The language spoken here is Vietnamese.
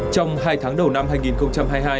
trong hai tháng đầu năm hai nghìn hai mươi hai